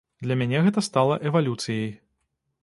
Для мяне гэта стала эвалюцыяй.